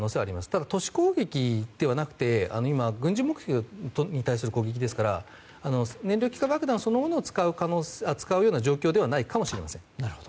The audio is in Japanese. ただ、都市攻撃ではなくて軍事目標に対する攻撃ですから燃料気化爆弾そのものを使うような状況ではないかもしれません。